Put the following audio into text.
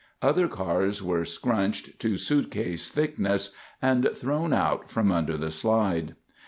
Other cars were scrunched to suitcase thickness and thrown out from under the slide.